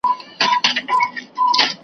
څه ښه یاران وه څه ښه یې زړونه .